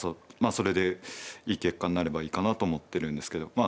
まあそれでいい結果になればいいかなと思ってるんですけど。